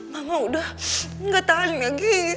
mama udah gak tahu lagi